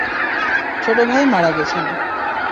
ছোট ভাই মারা গেছেন।